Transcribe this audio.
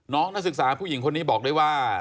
นักศึกษาผู้หญิงคนนี้บอกด้วยว่า